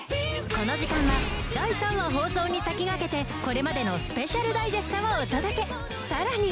この時間は第３話放送に先駆けてこれまでのＳＰダイジェストをお届けさらに！